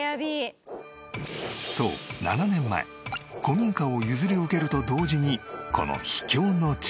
そう７年前古民家を譲り受けると同時にこの秘境の地に。